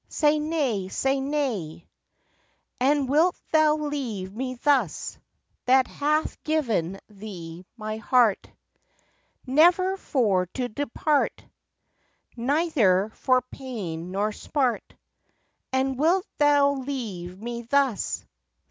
Say nay! say nay! And wilt thou leave me thus, That hath given thee my heart Never for to depart Neither for pain nor smart: And wilt thou leave me thus?